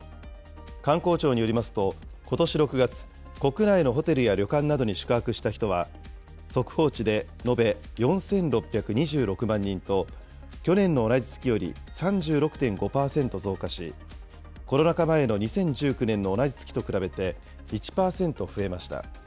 観光庁によりますと、ことし６月、国内のホテルや旅館などに宿泊した人は、速報値で延べ４６２６万人と、去年の同じ月より３６．５％増加し、コロナ禍前の２０１９年の同じ月と比べて１％増えました。